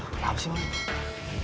kenapa sih boy